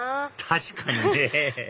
確かにね